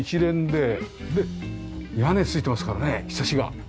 で屋根付いてますからね庇が。